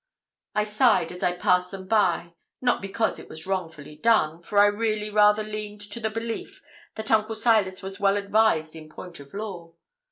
I sighed as I passed them by, not because it was wrongfully done, for I really rather leaned to the belief that Uncle Silas was well advised in point of law.